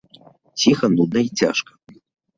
Ціха, нудна і цяжка.